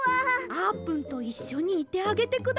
あーぷんといっしょにいてあげてください。